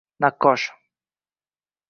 naqqosh